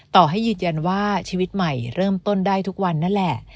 ต่อให้ยืนยันว่าชีวิตใหม่เริ่มต้นได้ทุกวันนั่นแหละ